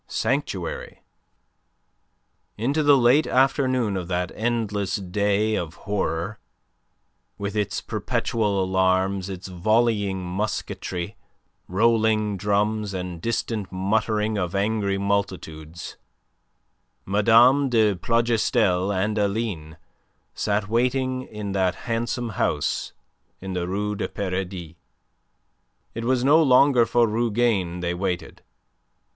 SANCTUARY Into the late afternoon of that endless day of horror with its perpetual alarms, its volleying musketry, rolling drums, and distant muttering of angry multitudes, Mme. de Plougastel and Aline sat waiting in that handsome house in the Rue du Paradis. It was no longer for Rougane they waited.